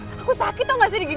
aku sakit tau gak sih digigit